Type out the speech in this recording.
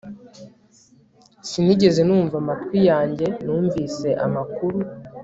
Sinigeze numva amatwi yanjye numvise amakuru